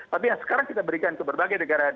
tapi yang sekarang kita berikan ke berbagai negara